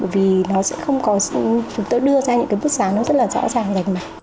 bởi vì nó sẽ không có chúng tôi đưa ra những cái bước sáng nó rất là rõ ràng